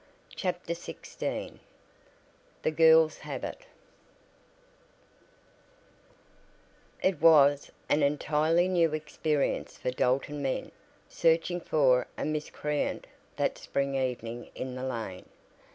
CHAPTER XVI THE GIRLS HAVE IT It was an entirely new experience for Dalton men searching for a miscreant that spring evening in the lane.